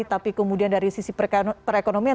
tapi kemudian dari sisi perekonomian